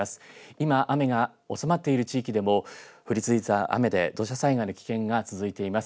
今、雨が収まっている地域でも降り続いた雨で土砂災害の危険が続いています。